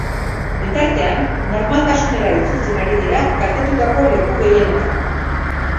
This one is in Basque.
Bitartean, normaltasunera itzultzen ari dira kaltetutako leku gehienetan.